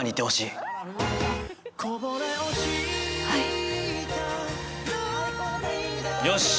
はい。